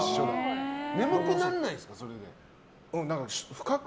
眠くならないんですか？